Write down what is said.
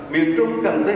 miền trung phải sốc tới